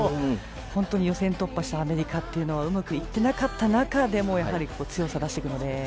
本当に予選突破したアメリカっていうのはうまくいってなかった中でも強さを出してきたので。